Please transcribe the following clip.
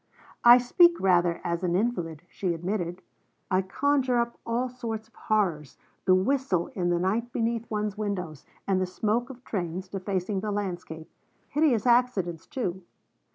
'I speak rather as an invalid,' she admitted; 'I conjure up all sorts of horrors, the whistle in the night beneath one's windows, and the smoke of trains defacing the landscape; hideous accidents too.